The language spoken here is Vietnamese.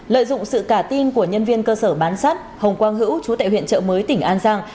lợi dụng sự cả tin của nhân viên cơ sở bán sắt hồng quang hữu chú tại huyện trợ mới tỉnh an giang